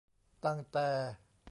ตั้งแต่